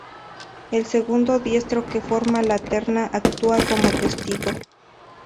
El segundo diestro que forma la terna actúa como testigo.